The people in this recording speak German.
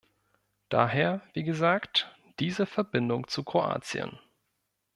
Daher, wie gesagt, diese Verbindung zu Kroatien.